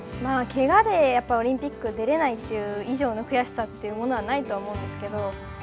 けがでオリンピック出れないという以上の悔しさというものはないと思うんですけれども。